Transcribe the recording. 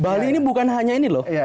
bali ini bukan hanya ini loh